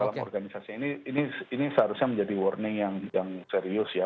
dalam organisasi ini seharusnya menjadi warning yang serius ya